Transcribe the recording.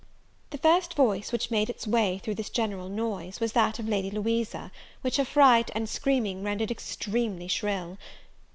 The first voice which made its way through this general noise was that of Lady Louisa, which her fright and screaming rendered extremely shrill.